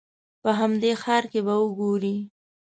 په همدې ښار کې به وګورې.